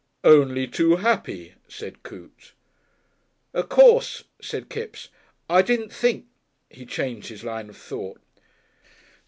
"Only too happy," said Coote. "Of course," said Kipps, "I didn't think " He changed his line of thought.